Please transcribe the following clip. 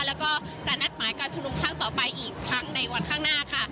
แล้วก็จะนัดหมายการชุมนุมครั้งต่อไปอีกครั้งในวันข้างหน้าค่ะ